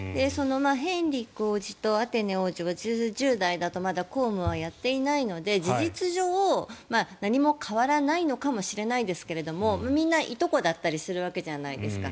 ヘンリック王子とアテナ王女は１０代だとまだ公務はやっていないので事実上、何も変わらないのかもしれないですがみんないとこだったりするわけじゃないですか。